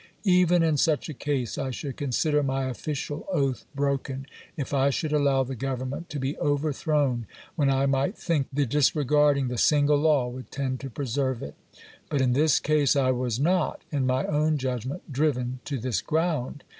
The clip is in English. Even in such a case I should consider my official oath broken, if I should allow the Government to be overthrown, when I might think the disregarding the single law would tend to preserve it. But in this case I was not, in my own judgment, driven to this ground.